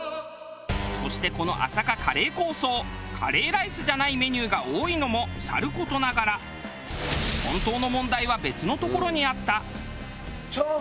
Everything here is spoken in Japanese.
そしてこの朝霞カレー抗争カレーライスじゃないメニューが多いのもさる事ながら本当の問題は別のところにあった。